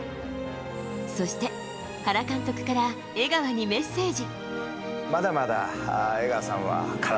そして、原監督から江川にメッセージ。